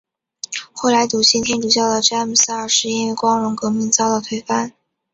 后来笃信天主教的詹姆斯二世因为光荣革命遭到推翻。